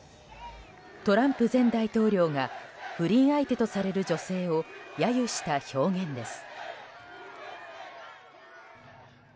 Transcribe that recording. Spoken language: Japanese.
トランプ前大統領が不倫相手とされる女性を揶揄した表現です。